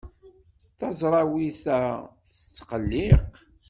Taẓrawit-a tettqelliq.